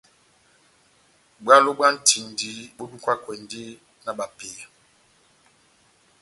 Bwalo bwa ntindi bó dukakwɛndi na bapeya.